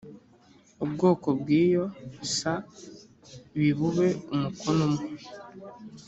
ubwoko bw iyo s bi bube mukono umwe